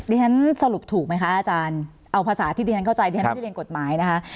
ฉันสรุปถูกไหมคะอาจารย์เอาภาษาที่ดิฉันเข้าใจดิฉันไม่ได้เรียนกฎหมายนะคะ